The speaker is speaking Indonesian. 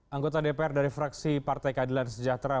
anggota dpr dari fraksi partai keadilan sejahtera